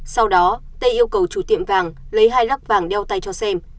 sau đó t yêu cầu chủ tiệm vàng lấy hai rắc vàng đeo tay cho xem